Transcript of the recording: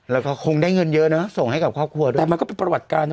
แล้วก็คงได้เงินเยอะนะส่งให้กับครอบครัวด้วยแต่มันก็เป็นประวัติการนะ